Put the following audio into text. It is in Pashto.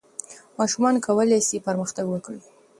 ماشومان کولای سي پرمختګ وکړي.